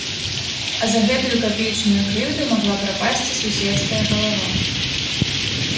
А за гэтую капеечную крыўду магла прапасці суседская галава.